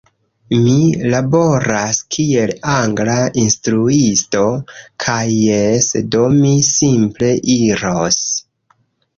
Mi laboras kiel angla instruisto. Kaj jes, do, mi simple iros!